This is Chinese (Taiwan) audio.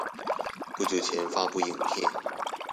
不久前發佈影片